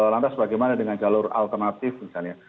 lantas bagaimana dengan jalur alternatif misalnya